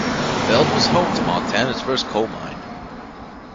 Belt was home to Montana's first coal mine.